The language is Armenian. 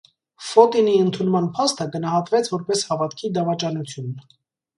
Ֆոտինի ընդունման փաստը գնահատվեց որպես հավատքի դավաճանություն։